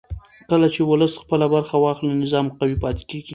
کله چې ولس خپله برخه واخلي نظام قوي پاتې کېږي